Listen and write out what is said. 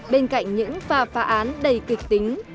bên cạnh những phà phá án đầy kịch tính